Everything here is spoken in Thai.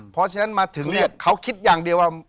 เพราะฉะนั้นมาถึงเนี่ยเขาคิดอย่างเดียวว่า